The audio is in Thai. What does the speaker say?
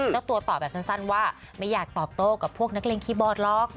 เจ้าตัวตอบแบบสั้นว่าไม่อยากตอบโต้กับพวกนักเลงคีย์บอร์ดหรอก